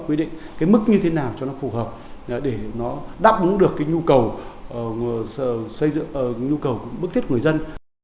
quy định cái mức như thế nào cho nó phù hợp để nó đáp ứng được cái nhu cầu xây dựng nhu cầu bức thiết của người dân